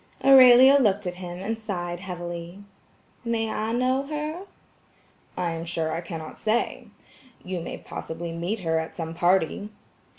Aurelia looked at him and sighed heavily. "May I know her?" "I am sure, I cannot say. You may possibly meet her at some party."